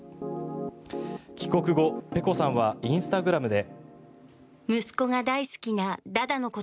帰国後、ｐｅｃｏさんはインスタグラムで。